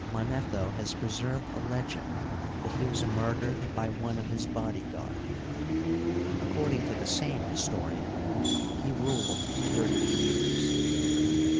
Manetho has preser\'ed a legend that he was murdered by one of his body guard. According to the same historian, he ruled thirty years.